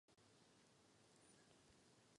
Byl dobrý právník a obhajoval chudé lidi před soudem.